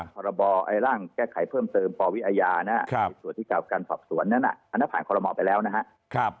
พรบร่างแก้ไขเพิ่มเติมปวิอาญานะในส่วนที่กับการสอบสวนนั้นอันนั้นผ่านคอลโมไปแล้วนะครับ